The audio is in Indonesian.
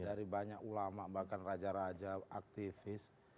dari banyak ulama bahkan raja raja aktivis